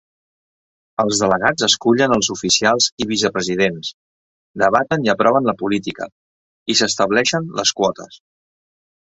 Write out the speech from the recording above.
Els delegats escullen els oficials i vicepresidents, debaten i aproven la política, i s'estableixen les quotes.